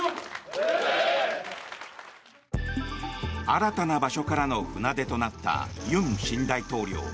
新たな場所からの船出となった尹新大統領。